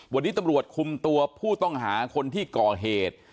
วันนี้ตำรวจคุมตัวผู้ต้องหาคนที่ก่อเหตุ